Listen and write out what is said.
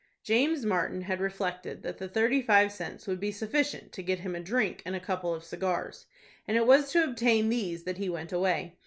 James Martin had reflected that the thirty five cents would be sufficient to get him a drink and a couple of cigars, and it was to obtain these that he went away.